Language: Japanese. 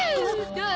どう？